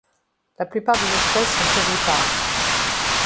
La plupart des espèces sont ovipares.